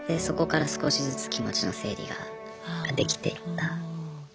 そこから少しずつ気持ちの整理ができていった。